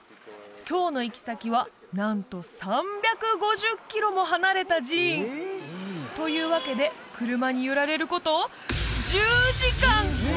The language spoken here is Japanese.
今日の行き先はなんと３５０キロも離れた寺院というわけで車に揺られること